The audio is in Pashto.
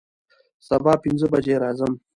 سبا پنځه بجې راځم